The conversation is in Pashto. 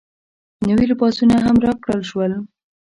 نوي لباسونه هم راکړل شول.